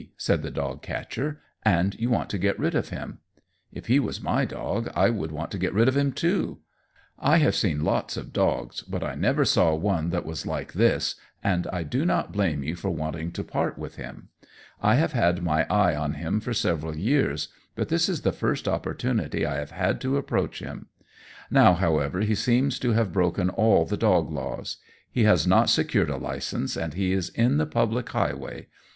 said the dog catcher. "And you want to get rid of him. If he was my dog, I would want to get rid of him, too. I have seen lots of dogs, but I never saw one that was like this, and I do not blame you for wanting to part with him. I have had my eye on him for several years, but this is the first opportunity I have had to approach him. Now, however, he seems to have broken all the dog laws. He has not secured a license, and he is in the public highway.